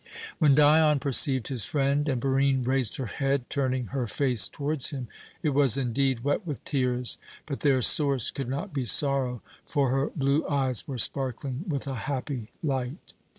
When Dion perceived his friend, and Barine raised her head, turning her face towards him, it was indeed wet with tears, but their source could not be sorrow; for her blue eyes were sparkling with a happy light.